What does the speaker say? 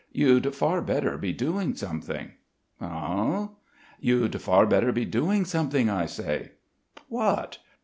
You'd far better be doing something." "Ah?" "You'd far better be doing something, I say." "What?...